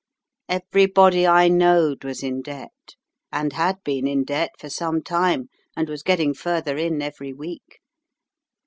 Everybody I knowed was in debt, and had been in debt for some time, and was getting further in every week.